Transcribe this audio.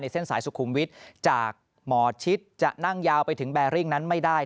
เส้นสายสุขุมวิทย์จากหมอชิดจะนั่งยาวไปถึงแบริ่งนั้นไม่ได้